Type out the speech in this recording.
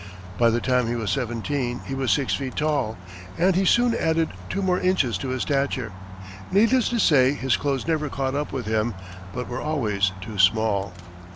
By the time he was seventeen, he was six feet tall, and he soon added two more inches to his stature. Needless to say, his clothes never caught up with him, but were always too small.